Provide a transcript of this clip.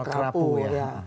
km krapu ya